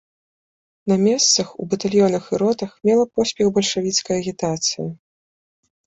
На месцах, у батальёнах і ротах мела поспех бальшавіцкая агітацыя.